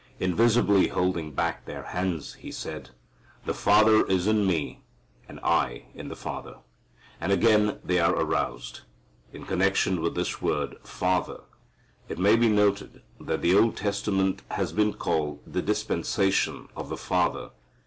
Invisibly holding back their hands He said, "The Father is in Me, and I in the Father," and again they are aroused. In connection with this word "Father," it may be noted that the Old Testament has been called the "dispensation of the Father."